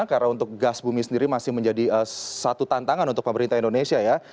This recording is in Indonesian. karena untuk gas bumi sendiri masih menjadi satu tantangan untuk pemerintah indonesia